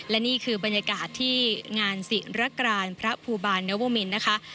และนี่คือบรรยากาศที่งานศิรกรานพระภูบาลนวมินนะคะ